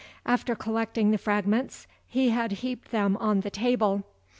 After collecting the fragments, he had heaped them on the table.